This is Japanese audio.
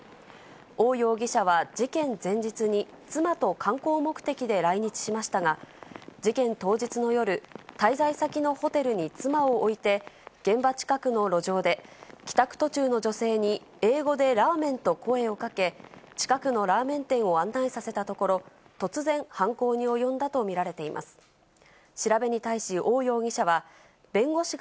王容疑者は事件前日に妻と観光目的で来日しましたが、事件当日の夜、滞在先のホテルに妻を置いて、現場近くの路上で、帰宅途中の女性に英語でラーメンと声をかけ、近くのラーメン店を案内させたところ、突然、犯行に及んだと見ら全国の皆さん、こんばんは。